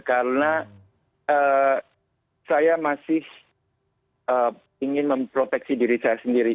karena saya masih ingin memproteksi diri saya sendiri